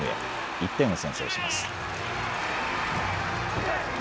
１点を先制します。